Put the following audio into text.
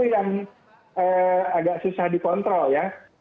yang agak susah dikontrol ya